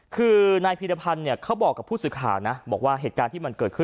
คือนายพีรพันธ์เนี่ยเขาบอกกับผู้สื่อข่าวนะบอกว่าเหตุการณ์ที่มันเกิดขึ้น